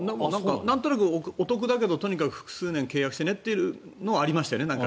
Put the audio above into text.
なんとなくお得だけど複数年契約してねというのはありましたよね。